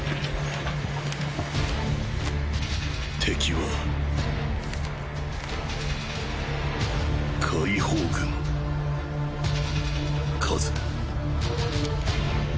敵は解放軍数